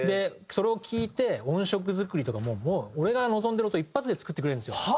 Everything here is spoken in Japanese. それを聴いて音色作りとかももう俺が望んでる音一発で作ってくれるんですよ。